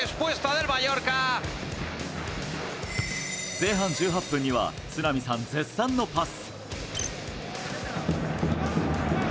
前半１８分には都並さん絶賛のパス。